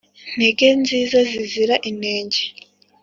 Ntege nziza zizira inenge